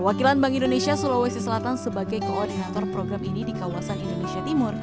wakilan bank indonesia sulawesi selatan sebagai koordinator program ini di kawasan indonesia timur